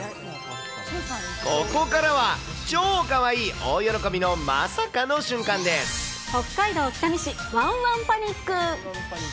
ここからは、超かわいい大喜びの北海道北見市、わんわんパニック。